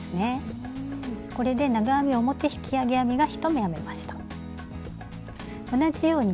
これで長編み表引き上げ編みが１目編めました。